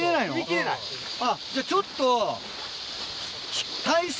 じゃあちょっと。